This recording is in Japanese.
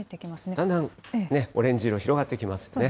だんだんね、オレンジ色、広がってきますね。